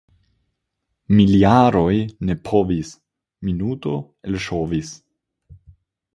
Miljaroj ne povis - minuto elŝovis.